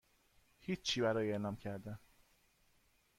هیچی برای اعلام کردن